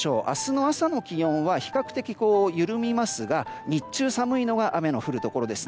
明日の朝の気温は緩みますが日中寒いのが雨の降るところ。